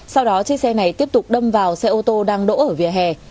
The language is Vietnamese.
sau đó chiếc xe này tiếp tục đâm vào xe ô tô đang đỗ ở vỉa hè